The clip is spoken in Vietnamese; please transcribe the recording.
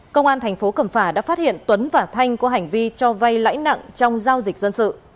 công an thành phố cẩm phả đã phát hiện tuấn và thanh có hành vi cho vay lãi nặng trong giao dịch dân sự